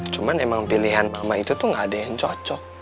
cuman emang pilihan mama itu tuh gak ada yang cocok